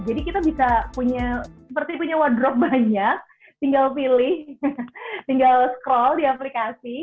jadi kita bisa punya seperti punya wardrobe banyak tinggal pilih tinggal scroll di aplikasi